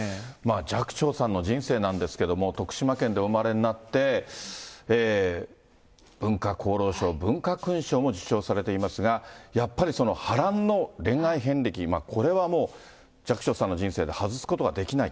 寂聴さんの人生なんですけども、徳島県でお生まれになって、文化功労賞、文化勲章も受章されていますが、やっぱり波乱の恋愛遍歴、これはもう、寂聴さんの人生で外すことができない。